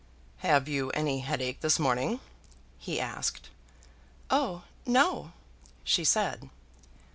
"Have you any headache this morning?" he asked. "Oh, no," she said.